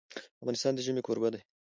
افغانستان د ژمی کوربه دی.